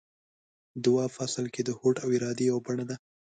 دعا په اصل کې د هوډ او ارادې يوه بڼه ده.